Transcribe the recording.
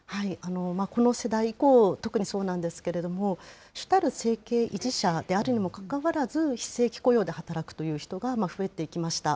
この世代以降、特にそうなんですけども、主たる生計維持者であるにもかかわらず、非正規雇用で働くという人が増えてきました。